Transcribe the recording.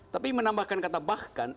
tapi menambahkan kata bahkan